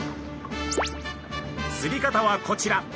釣り方はこちら！